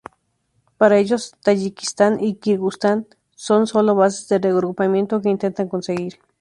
Para ellos Tayikistán y Kirguistán son solo bases de reagrupamiento que intentan conseguir.